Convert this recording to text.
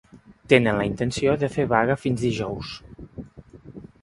Tenen la intenció de fer vaga fins dijous.